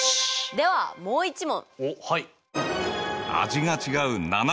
ではもう一問。